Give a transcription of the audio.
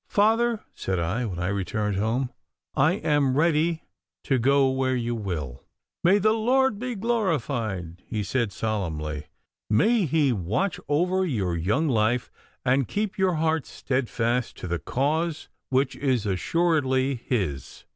'Father,' said I, when I returned home, 'I am ready to go where you will.' 'May the Lord be glorified!' he cried solemnly. 'May He watch over your young life, and keep your heart steadfast to the cause which is assuredly His!